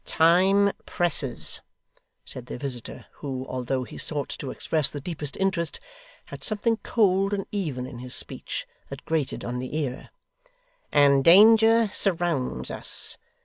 'Time presses,' said their visitor, who, although he sought to express the deepest interest, had something cold and even in his speech, that grated on the ear; 'and danger surrounds us.